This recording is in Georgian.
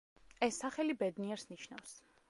ეს სახელი „ბედნიერს“ ნიშნავს.